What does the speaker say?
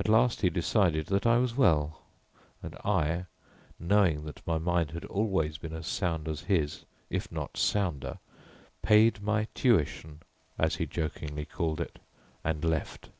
At last he decided that I was well, and I, knowing that my mind had always been as sound as his, if not sounder, "paid my tuition" as he jokingly called it, and left.